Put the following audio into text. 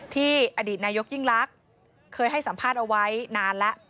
อดีตนายกยิ่งลักษณ์เคยให้สัมภาษณ์เอาไว้นานแล้ว